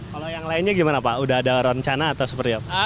kalau yang lainnya gimana pak udah ada rencana atau seperti apa